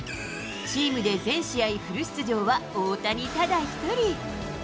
チームで全試合フル出場は大谷ただ一人。